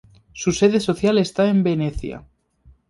Su sede social está en Venecia.